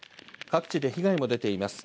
各地で被害も出ています。